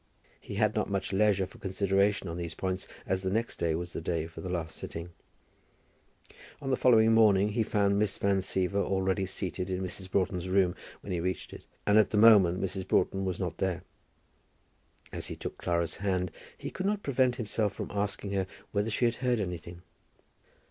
He had not much leisure for consideration on these points, as the next day was the day for the last sitting. On the following morning he found Miss Van Siever already seated in Mrs. Broughton's room when he reached it. And at the moment Mrs. Broughton was not there. As he took Clara's hand, he could not prevent himself from asking her whether she had heard anything?